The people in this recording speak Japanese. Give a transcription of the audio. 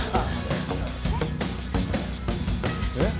え？